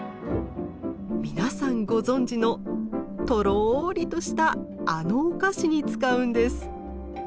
皆さんご存じのとろりとしたあのお菓子に使うんです。